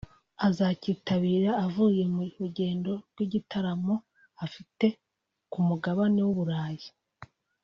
azacyitabira avuye mu rugendo rw’ibitaramo afite ku Mugabane w’u Burayi